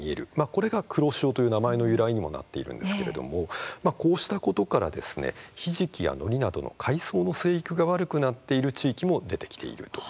これが黒潮という名前の由来にもなっているんですけれどもこうしたことからヒジキやノリなどの海藻の生育が悪くなっている地域も出てきているとされます。